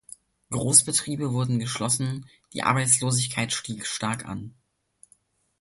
Großbetriebe wurden geschlossen, die Arbeitslosigkeit stieg stark an.